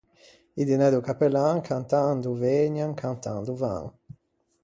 I dinæ do cappellan cantando vëgnan, cantando van.